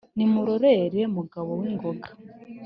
nimurorere mugabo w' ingoga